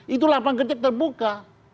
itu lapangan kerja terbuka